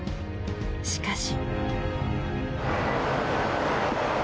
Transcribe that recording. しかし。